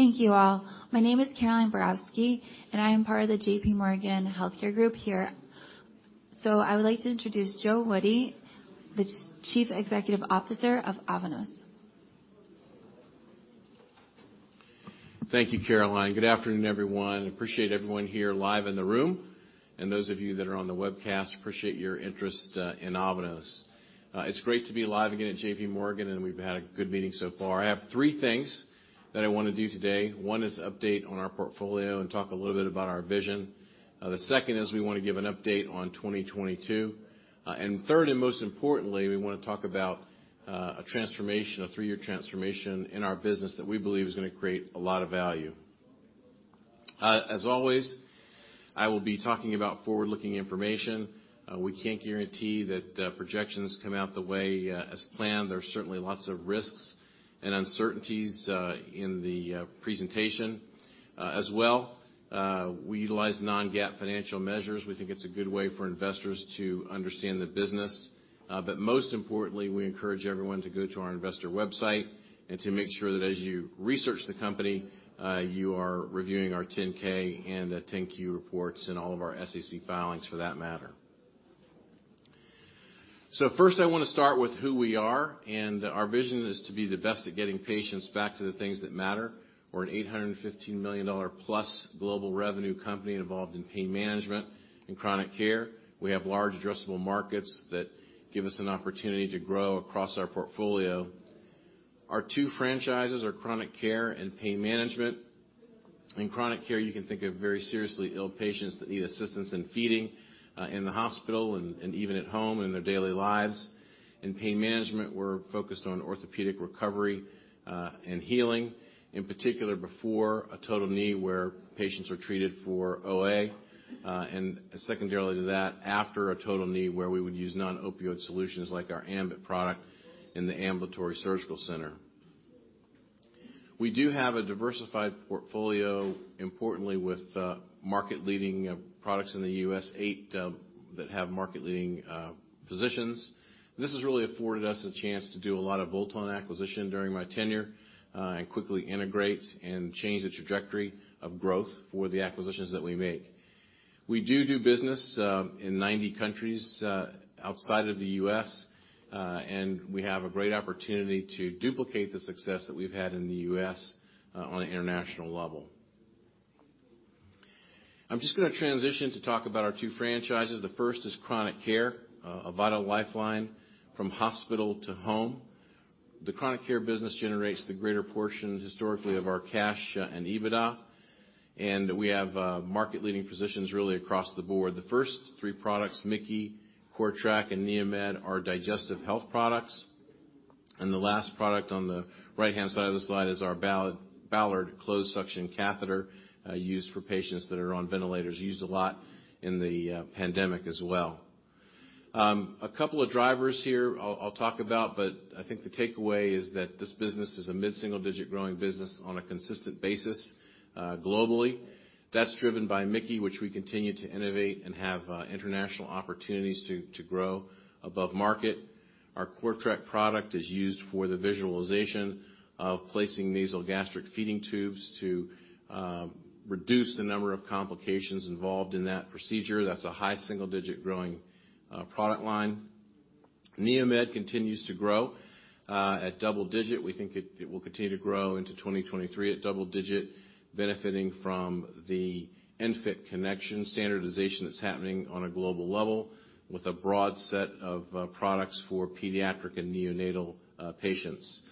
Thank you all. My name is Caroline Borowski, I am part of the J.P. Morgan Healthcare Group here. I would like to introduce Joe Woody, the Chief Executive Officer of Avanos. Thank you, Caroline. Good afternoon, everyone. Appreciate everyone here live in the room, and those of you that are on the webcast, appreciate your interest in Avanos. It's great to be live again at JPMorgan, and we've had a good meeting so far. I have three things that I wanna do today. One is update on our portfolio and talk a little bit about our vision. The second is we wanna give an update on 2022. Third, and most importantly, we wanna talk about a transformation, a three-year transformation in our business that we believe is gonna create a lot of value. As always, I will be talking about forward-looking information. We can't guarantee that projections come out the way as planned. There are certainly lots of risks and uncertainties in the presentation. As well, we utilize non-GAAP financial measures. We think it's a good way for investors to understand the business. But most importantly, we encourage everyone to go to our investor website and to make sure that as you research the company, you are reviewing our 10-K and the 10-Q reports and all of our SEC filings for that matter. First I wanna start with who we are, and our vision is to be the best at getting patients back to the things that matter. We're an $815 million-plus global revenue company involved in pain management and chronic care. We have large addressable markets that give us an opportunity to grow across our portfolio. Our two franchises are chronic care and pain management. In chronic care, you can think of very seriously ill patients that need assistance in feeding, in the hospital and even at home in their daily lives. In pain management, we're focused on orthopedic recovery and healing, in particular before a total knee where patients are treated for OA, and secondarily to that, after a total knee where we would use non-opioid solutions like our ambIT product in the ambulatory surgical center. We do have a diversified portfolio, importantly with market-leading products in the U.S., eight that have market-leading positions. This has really afforded us a chance to do a lot of bolt-on acquisition during my tenure, and quickly integrate and change the trajectory of growth for the acquisitions that we make. We do business in 90 countries outside of the U.S., and we have a great opportunity to duplicate the success that we've had in the U.S. on an international level. I'm just gonna transition to talk about our two franchises. The first is chronic care, a vital lifeline from hospital to home. The chronic care business generates the greater portion historically of our cash and EBITDA, and we have market-leading positions really across the board. The first three products, MIC-KEY, CORTRAK 2, and NEOMED, are digestive health products. The last product on the right-hand side of the slide is our Ballard Closed Suction Catheter, used for patients that are on ventilators, used a lot in the pandemic as well. A couple of drivers here I'll talk about, but I think the takeaway is that this business is a mid-single-digit growing business on a consistent basis, globally. That's driven by MIC-KEY, which we continue to innovate and have international opportunities to grow above market. Our CORTRAK product is used for the visualization of placing nasogastric feeding tubes to reduce the number of complications involved in that procedure. That's a high single-digit growing product line. NEOMED continues to grow at double-digit. We think it will continue to grow into 2023 at double-digit, benefiting from the ENFit connection standardization that's happening on a global level with a broad set of products for pediatric and neonatal patients.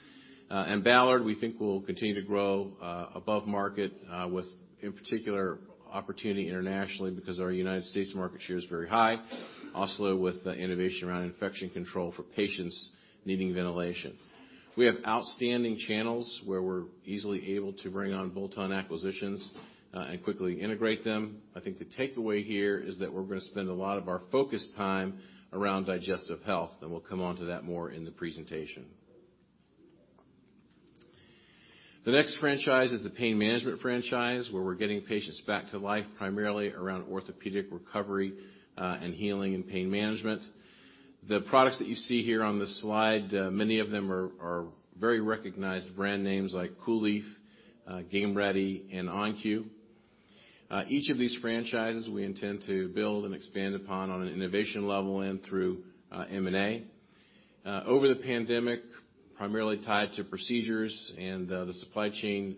Ballard, we think will continue to grow above market with in particular opportunity internationally because our United States market share is very high, also with the innovation around infection control for patients needing ventilation. We have outstanding channels where we're easily able to bring on bolt-on acquisitions and quickly integrate them. I think the takeaway here is that we're gonna spend a lot of our focus time around digestive health, and we'll come on to that more in the presentation. The next franchise is the pain management franchise, where we're getting patients back to life primarily around orthopedic recovery and healing and pain management. The products that you see here on this slide, many of them are very recognized brand names like COOLIEF, Game Ready, and ON-Q. Each of these franchises we intend to build and expand upon on an innovation level and through M&A. Over the pandemic, primarily tied to procedures and the supply chain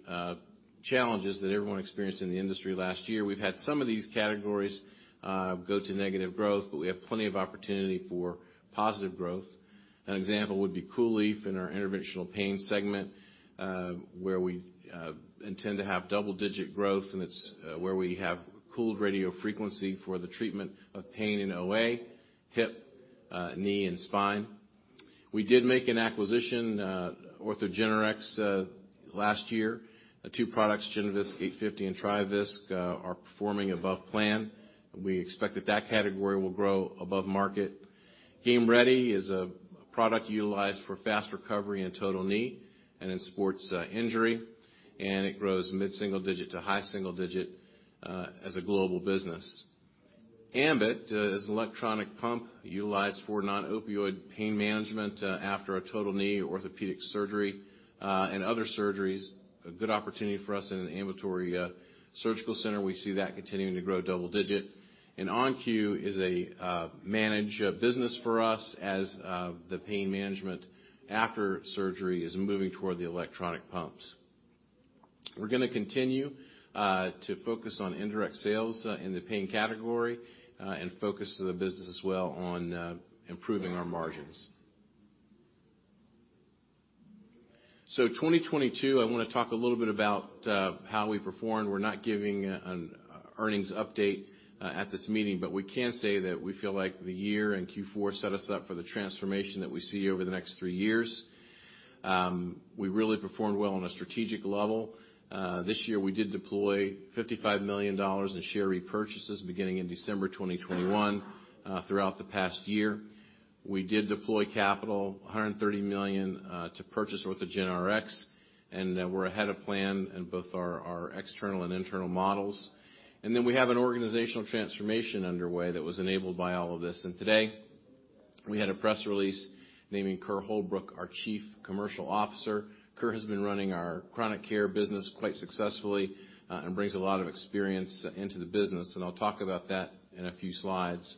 challenges that everyone experienced in the industry last year, we've had some of these categories go to negative growth, but we have plenty of opportunity for positive growth. An example would be COOLIEF in our interventional pain segment, where we intend to have double-digit growth, and it's where we have cooled radiofrequency for the treatment of pain in OA, hip, knee, and spine. We did make an acquisition, OrthogenRx, last year. The two products, GenVisc 850 and TriVisc, are performing above plan. We expect that that category will grow above market. Game Ready is a product utilized for fast recovery in total knee and in sports injury, and it grows mid-single digit to high single digit as a global business. ambIT is an electronic pump utilized for non-opioid pain management after a total knee orthopedic surgery and other surgeries. A good opportunity for us in an ambulatory surgical center. We see that continuing to grow double digit. ON-Q is a manage business for us as the pain management after surgery is moving toward the electronic pumps. We're gonna continue to focus on indirect sales in the pain category and focus the business as well on improving our margins. 2022, I wanna talk a little bit about how we performed. We're not giving an earnings update at this meeting, but we can say that we feel like the year and Q4 set us up for the transformation that we see over the next three years. We really performed well on a strategic level. This year, we did deploy $55 million in share repurchases beginning in December 2021 throughout the past year. We did deploy capital, $130 million, to purchase OrthogenRx. We're ahead of plan in both our external and internal models. We have an organizational transformation underway that was enabled by all of this. Today, we had a press release naming Kerr Holbrook, our Chief Commercial Officer. Kerr has been running our chronic care business quite successfully, and brings a lot of experience into the business, and I'll talk about that in a few slides.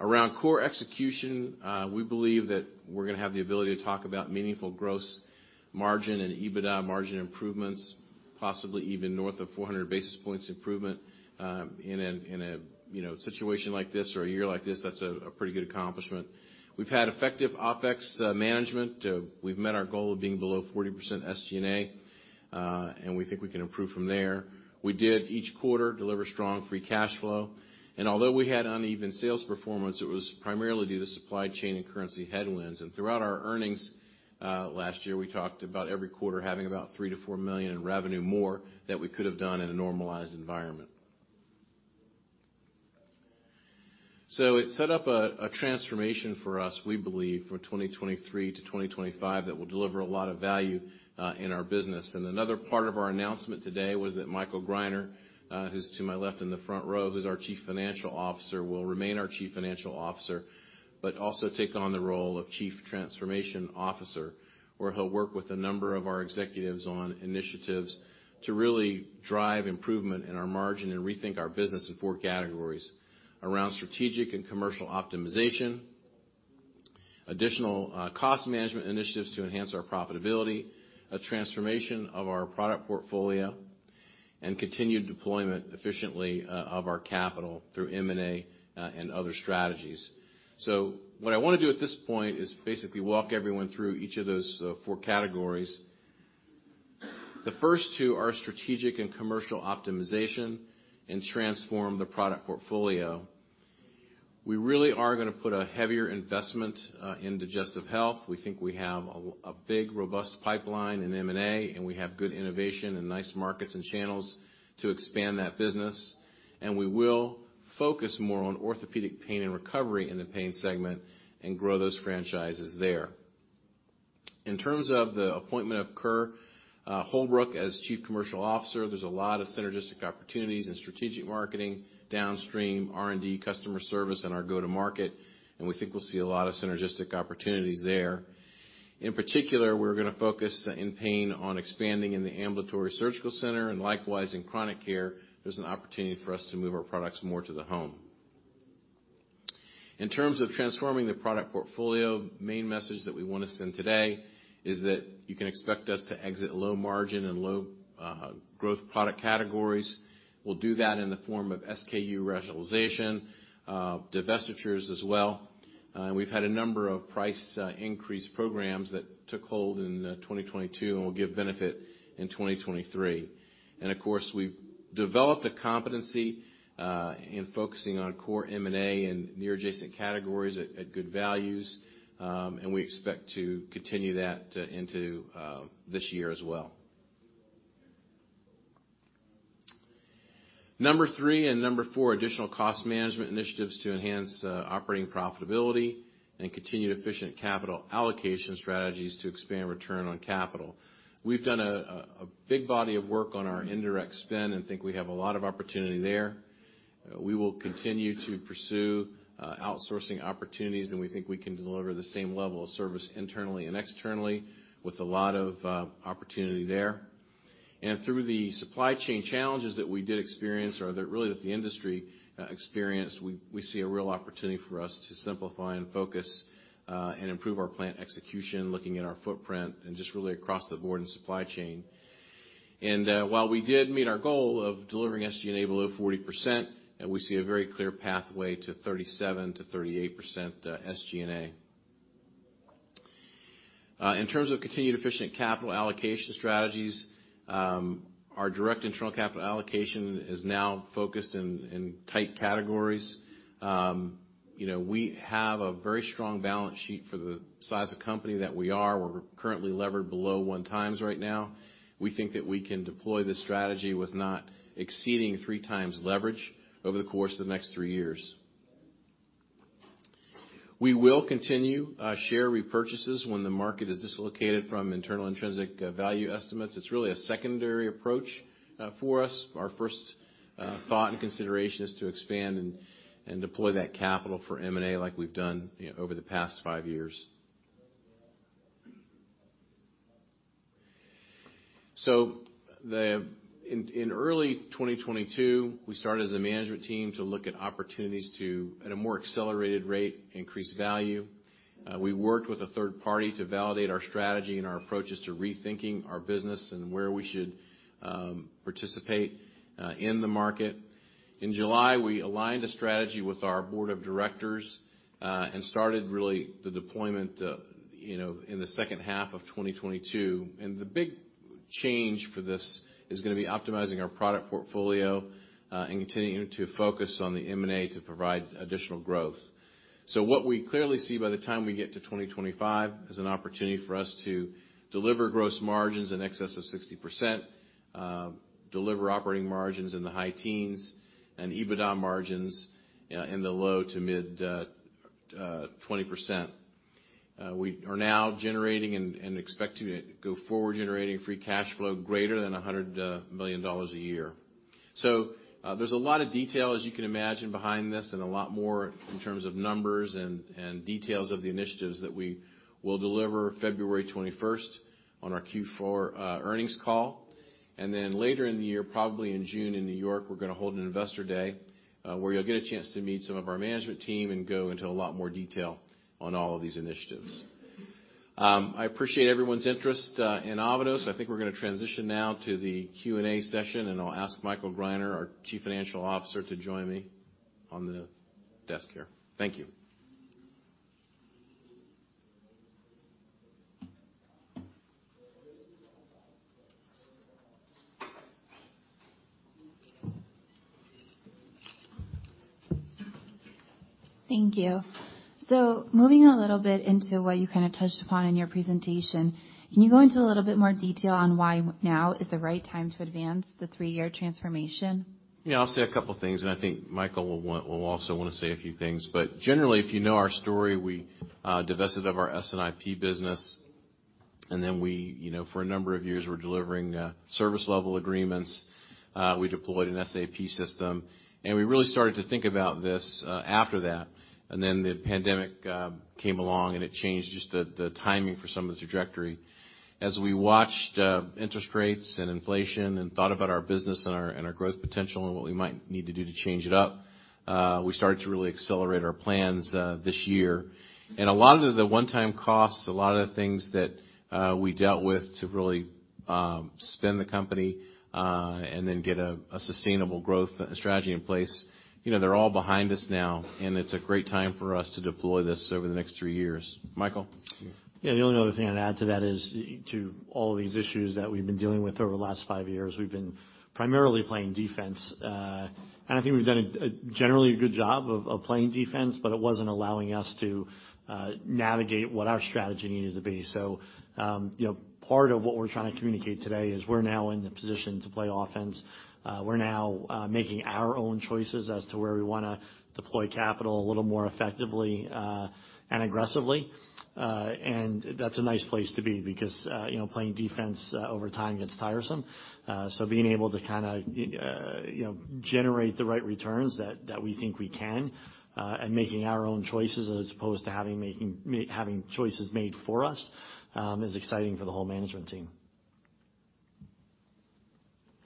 Around core execution, we believe that we're gonna have the ability to talk about meaningful gross margin and EBITDA margin improvements, possibly even north of 400 basis points improvement, you know, in a situation like this or a year like this. That's a pretty good accomplishment. We've had effective OpEx management. We've met our goal of being below 40% SG&A, and we think we can improve from there. We did each quarter deliver strong free cash flow. Although we had uneven sales performance, it was primarily due to supply chain and currency headwinds. Throughout our earnings, last year, we talked about every quarter having about $3 million-$4 million in revenue more that we could have done in a normalized environment. It set up a transformation for us, we believe, for 2023-2025 that will deliver a lot of value in our business. Another part of our announcement today was that Michael Greiner, who's to my left in the front row, who's our Chief Financial Officer, will remain our Chief Financial Officer, but also take on the role of Chief Transformation Officer, where he'll work with a number of our executives on initiatives to really drive improvement in our margin and rethink our business in four categories: around strategic and commercial optimization, additional cost management initiatives to enhance our profitability, a transformation of our product portfolio, and continued deployment efficiently of our capital through M&A and other strategies. What I wanna do at this point is basically walk everyone through each of those four categories. The first two are strategic and commercial optimization and transform the product portfolio. We really are gonna put a heavier investment in digestive health. We think we have a big, robust pipeline in M&A, and we have good innovation and nice markets and channels to expand that business. We will focus more on orthopedic pain and recovery in the pain segment and grow those franchises there. In terms of the appointment of Kerr Holbrook as Chief Commercial Officer, there's a lot of synergistic opportunities in strategic marketing, downstream R&D, customer service, and our go-to-market, and we think we'll see a lot of synergistic opportunities there. In particular, we're gonna focus in pain on expanding in the ambulatory surgical center, and likewise, in chronic care, there's an opportunity for us to move our products more to the home. In terms of transforming the product portfolio, main message that we wanna send today is that you can expect us to exit low margin and low growth product categories. We'll do that in the form of SKU rationalization, divestitures as well. We've had a number of price increase programs that took hold in 2022 and will give benefit in 2023. Of course, we've developed a competency in focusing on core M&A and near adjacent categories at good values, and we expect to continue that into this year as well. Number three and number four, additional cost management initiatives to enhance operating profitability and continued efficient capital allocation strategies to expand return on capital. We've done a big body of work on our indirect spend and think we have a lot of opportunity there. We will continue to pursue outsourcing opportunities, and we think we can deliver the same level of service internally and externally with a lot of opportunity there. Through the supply chain challenges that we did experience or that really that the industry experienced, we see a real opportunity for us to simplify and focus and improve our plant execution, looking at our footprint and just really across the board and supply chain. While we did meet our goal of delivering SG&A below 40%, we see a very clear pathway to 37%-38% SG&A. In terms of continued efficient capital allocation strategies, our direct internal capital allocation is now focused in tight categories. You know, we have a very strong balance sheet for the size of company that we are. We're currently levered below 1x right now. We think that we can deploy this strategy with not exceeding 3x leverage over the course of the next 3 years. We will continue share repurchases when the market is dislocated from internal intrinsic value estimates. It's really a secondary approach for us. Our first thought and consideration is to expand and deploy that capital for M&A like we've done, you know, over the past five years. In early 2022, we started as a management team to look at opportunities to, at a more accelerated rate, increase value. We worked with a third party to validate our strategy and our approaches to rethinking our business and where we should participate in the market. In July, we aligned a strategy with our board of directors, and started really the deployment, you know, in the second half of 2022. The big change for this is gonna be optimizing our product portfolio, and continuing to focus on the M&A to provide additional growth. What we clearly see by the time we get to 2025 is an opportunity for us to deliver gross margins in excess of 60%, deliver operating margins in the high teens, and EBITDA margins in the low to mid 20%. We are now generating and expecting to go forward generating free cash flow greater than $100 million a year. There's a lot of detail, as you can imagine, behind this and a lot more in terms of numbers and details of the initiatives that we will deliver February 21st on our Q4 earnings call. Later in the year, probably in June in New York, we're gonna hold an Investor Day, where you'll get a chance to meet some of our management team and go into a lot more detail on all of these initiatives. I appreciate everyone's interest in Avanos. I think we're gonna transition now to the Q&A session, and I'll ask Michael Greiner, our Chief Financial Officer, to join me on the desk here. Thank you. Thank you. Moving a little bit into what you kinda touched upon in your presentation, can you go into a little bit more detail on why now is the right time to advance the three-year transformation? Yeah. I'll say a couple things, and I think Michael will also wanna say a few things. Generally, if you know our story, we divested of our S&IP business, and then we, you know, for a number of years, were delivering service level agreements. We deployed an SAP system. We really started to think about this after that. The pandemic came along, and it changed just the timing for some of the trajectory. As we watched interest rates and inflation and thought about our business and our, and our growth potential and what we might need to do to change it up, we started to really accelerate our plans this year. A lot of the one-time costs, a lot of the things that we dealt with to really spin the company, and then get a sustainable growth strategy in place, you know, they're all behind us now, and it's a great time for us to deploy this over the next three years. Michael? Yeah. The only other thing I'd add to that is to all these issues that we've been dealing with over the last five years, we've been primarily playing defense. I think we've done a generally good job of playing defense, but it wasn't allowing us to navigate what our strategy needed to be. You know, part of what we're trying to communicate today is we're now in the position to play offense. We're now making our own choices as to where we wanna deploy capital a little more effectively and aggressively. That's a nice place to be because you know, playing defense over time gets tiresome. Being able to kinda, you know, generate the right returns that we think we can, and making our own choices as opposed to having choices made for us, is exciting for the whole management team.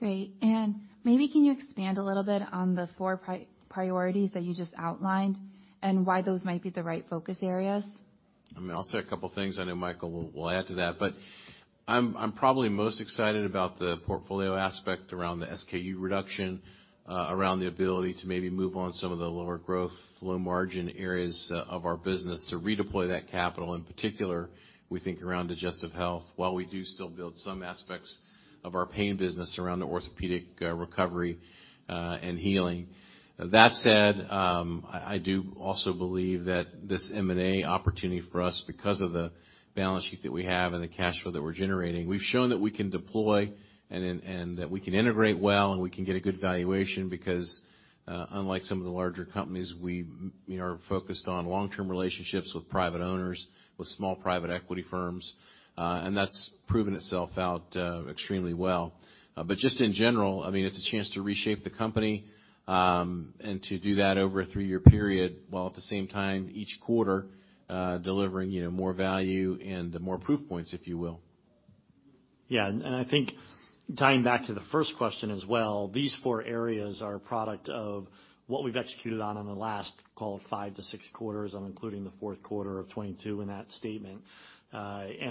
Great. Maybe can you expand a little bit on the four priorities that you just outlined and why those might be the right focus areas? I mean, I'll say a couple things. I know Michael will add to that. I'm probably most excited about the portfolio aspect around the SKU reduction, around the ability to maybe move on some of the lower growth, low margin areas of our business to redeploy that capital. In particular, we think around digestive health while we do still build some aspects of our pain business around the orthopedic recovery and healing. That said, I do also believe that this M&A opportunity for us because of the balance sheet that we have and the cash flow that we're generating, we've shown that we can deploy and that we can integrate well, and we can get a good valuation because, unlike some of the larger companies, we, you know, are focused on long-term relationships with private owners, with small private equity firms, and that's proven itself out extremely well. Just in general, I mean, it's a chance to reshape the company, and to do that over a 3-year period, while at the same time each quarter, delivering, you know, more value and more proof points, if you will. Yeah, I think tying back to the first question as well, these four areas are a product of what we've executed on in the last, call it, five to six quarters. I'm including the fourth quarter of 2022 in that statement.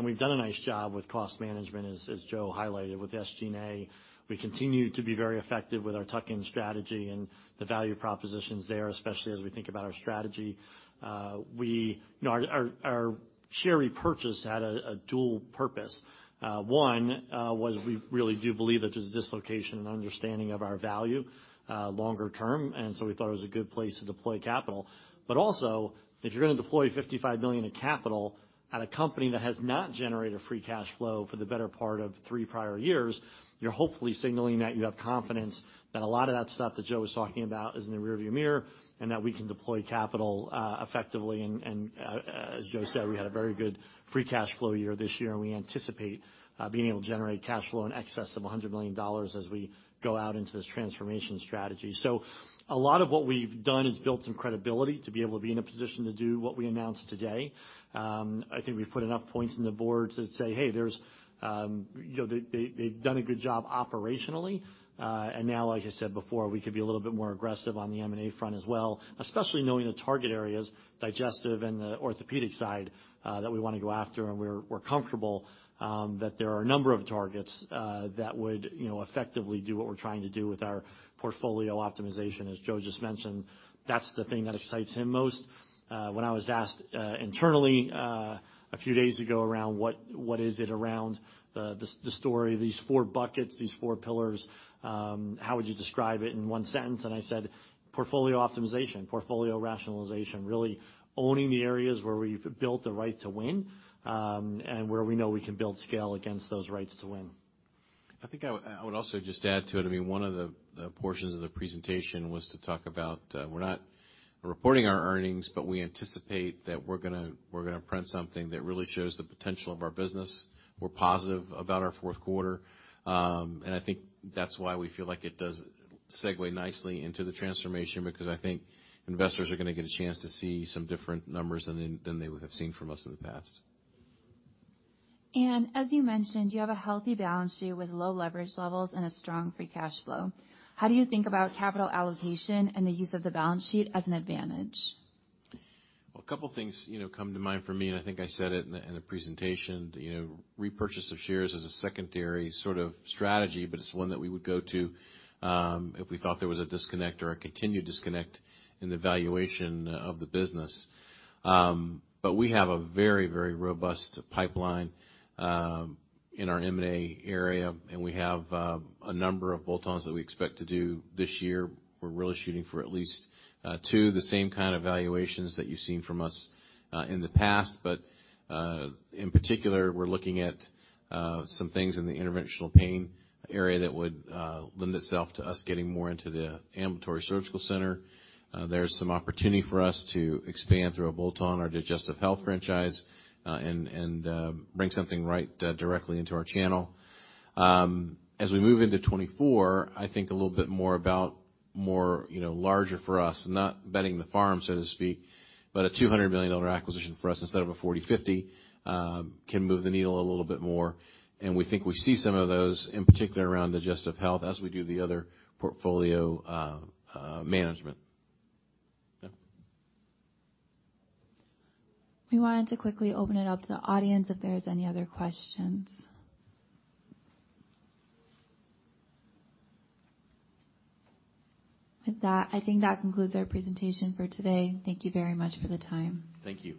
We've done a nice job with cost management, as Joe highlighted with SG&A. We continue to be very effective with our tuck-in strategy and the value propositions there, especially as we think about our strategy. You know, our share repurchase had a dual purpose. One was we really do believe that there's a dislocation and understanding of our value longer term, and so we thought it was a good place to deploy capital. Also, if you're gonna deploy $55 million in capital at a company that has not generated free cash flow for the better part of three prior years, you're hopefully signaling that you have confidence that a lot of that stuff that Joe was talking about is in the rearview mirror, and that we can deploy capital effectively. As Joe said, we had a very good free cash flow year this year, and we anticipate being able to generate cash flow in excess of $100 million as we go out into this transformation strategy. A lot of what we've done is built some credibility to be able to be in a position to do what we announced today. I think we've put enough points on the board to say, hey, there's, you know, they've done a good job operationally. Now, like I said before, we could be a little bit more aggressive on the M&A front as well, especially knowing the target areas, digestive and the orthopedic side, that we wanna go after. We're comfortable that there are a number of targets that would, you know, effectively do what we're trying to do with our portfolio optimization. As Joe just mentioned, that's the thing that excites him most. When I was asked internally a few days ago around what is it around the story of these four buckets, these four pillars, how would you describe it in one sentence? I said, portfolio optimization, portfolio rationalization, really owning the areas where we've built the right to win, and where we know we can build scale against those rights to win. I think I would also just add to it, I mean, one of the portions of the presentation was to talk about, we're not reporting our earnings, but we anticipate that we're gonna print something that really shows the potential of our business. We're positive about our fourth quarter. I think that's why we feel like it does segue nicely into the transformation, because I think investors are gonna get a chance to see some different numbers than they would have seen from us in the past. As you mentioned, you have a healthy balance sheet with low leverage levels and a strong free cash flow. How do you think about capital allocation and the use of the balance sheet as an advantage? A couple things, you know, come to mind for me, and I think I said it in the, in the presentation. You know, repurchase of shares is a secondary sort of strategy, but it's one that we would go to, if we thought there was a disconnect or a continued disconnect in the valuation of the business. We have a very, very robust pipeline, in our M&A area, and we have a number of bolt-ons that we expect to do this year. We're really shooting for at least two, the same kind of valuations that you've seen from us, in the past. In particular, we're looking at some things in the interventional pain area that would lend itself to us getting more into the ambulatory surgical center. There's some opportunity for us to expand through a bolt-on or digestive health franchise, and bring something right, directly into our channel. As we move into 2024, I think a little bit more about, you know, larger for us, not betting the farm, so to speak, but a $200 million acquisition for us instead of a $40, $50, can move the needle a little bit more. We think we see some of those, in particular, around digestive health as we do the other portfolio management. We wanted to quickly open it up to the audience if there's any other questions? I think that concludes our presentation for today. Thank you very much for the time. Thank you.